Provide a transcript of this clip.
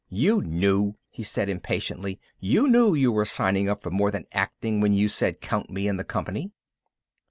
"You knew!" he said impatiently. "You knew you were signing up for more than acting when you said, 'Count me in the company.'"